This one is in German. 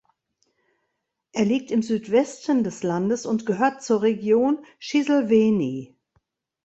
Er liegt im Südwesten des Landes und gehört zur Region Shiselweni.